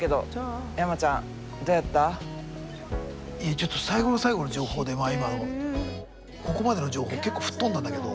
ちょっと最後の最後の情報で今のここまでの情報結構吹っ飛んだんだけど。